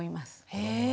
へえ！